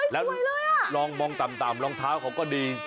และลองมองต่ำหลองเท้าก็ดี